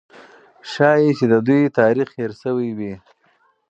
ښایي چې د دوی تاریخ هېر سوی وي.